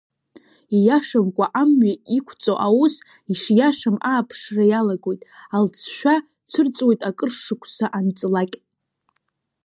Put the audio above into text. Ииашамкәа амҩа иқәҵо аус, ишиашам ааԥшра иалагоит, алҵшәа цәырҵуеит акыр шықәса анҵлак.